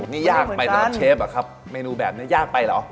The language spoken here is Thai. นี่ยากไปนะครับเชฟอะครับเมนูแบบนี้ยากไปเหรอ